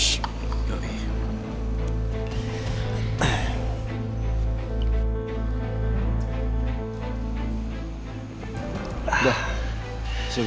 saya cuma setereng